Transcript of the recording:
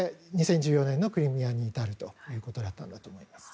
それで２０１４年のクリミアに至るということだと思います。